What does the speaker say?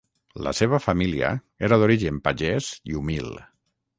La seva família era d'origen pagès i humil.